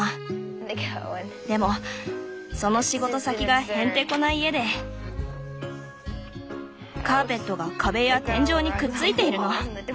でもその仕事先がへんてこな家でカーペットが壁や天井にくっついているの。